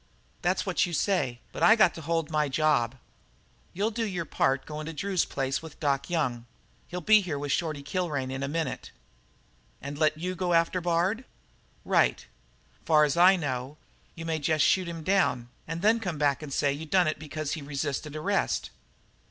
"That's what you say; but I got to hold my job." "You'll do your part by goin' to Drew's place with Doc Young. He'll be here with Shorty Kilrain in a minute." "And let you go after Bard?" "Right." "Far's I know, you may jest shoot him down and then come back and say you done it because he resisted arrest."